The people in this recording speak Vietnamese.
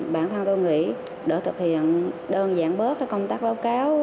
bản thân tôi nghĩ để thực hiện đơn giản bớt công tác báo cáo